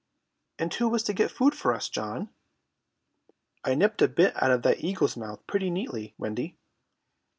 "And who is to get food for us, John?" "I nipped a bit out of that eagle's mouth pretty neatly, Wendy."